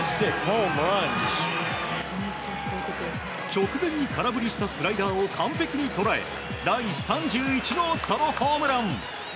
直前に空振りしたスライダーを完璧に捉え第３１号ソロホームラン！